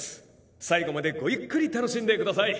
最後までごゆっくり楽しんでください。